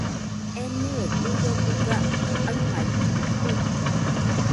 Enɨe kuio dɨga aɨmaitɨkue.